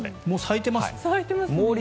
もう咲いてますね。